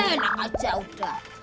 enak aja udah